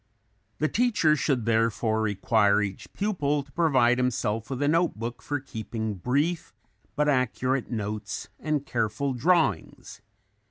The teacher should therefore require each pupil to provide himself with a note book for keeping brief, but accurate notes and careful drawings.